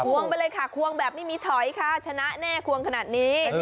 วงไปเลยค่ะควงแบบไม่มีถอยค่ะชนะแน่ควงขนาดนี้